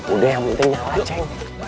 udah yang penting jangan ceng